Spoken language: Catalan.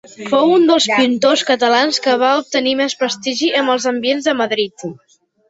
Fou un dels pintors catalans que va obtenir més prestigi en els ambients de Madrid.